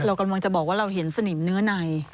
เรากำลังจะบอกว่าเราเห็นสนิมเนื้อใน